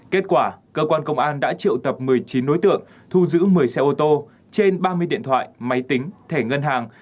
kết quả cơ quan công an đã triệu tập một mươi chín đối tượng thu giữ một mươi xe ô tô trên ba mươi điện thoại máy tính thẻ ngân hàng